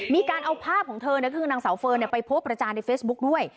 มีการเอาภาพของเธอคือนางสาวเฟิร์นไปโพสต์ประจานในเฟซบุ๊คด้วย